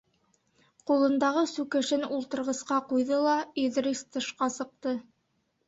Ҡулындағы сүкешен ултырғысҡа ҡуйҙы ла, Иҙрис тышҡа сыҡты.